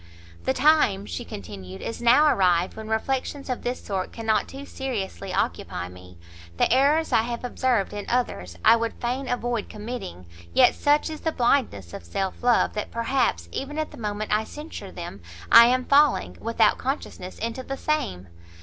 "The time," she continued, "is now arrived when reflections of this sort cannot too seriously occupy me; the errors I have observed in others, I would fain avoid committing; yet such is the blindness of self love, that perhaps, even at the moment I censure them, I am falling, without consciousness, into the same!